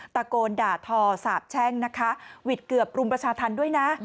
ตะโกนด่าทอสาบแช่งนะคะหวิดเกือบรุมประชาธรรมด้วยนะ